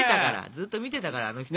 ずっと見てたからあの人は。